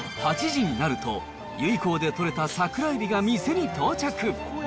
８時になると、由比港で取れた桜エビが店に到着。